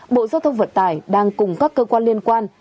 bộ giao thông vận tải đang cùng các cơ quan liên quan